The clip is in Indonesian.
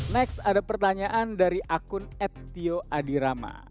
next ada pertanyaan dari akun etioadirama